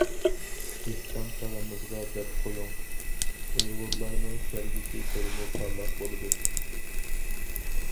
دېھقان تاغىمىزغا دەپ قويۇڭ ئۇيغۇرلارنىڭ كەلگۈسى تولىمۇ پارلاق بولىدۇ.